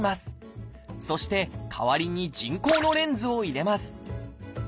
そして代わりに人工のレンズを入れます。